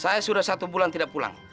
saya sudah satu bulan tidak pulang